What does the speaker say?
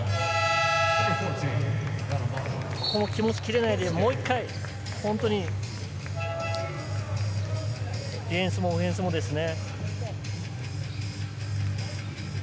ここも気持ち切れないで、もう一回、ディフェンスもオフェンスもですね。